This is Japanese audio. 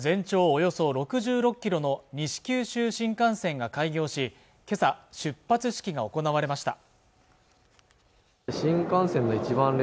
およそ６６ｋｍの西九州新幹線が開業しけさ出発式が行われました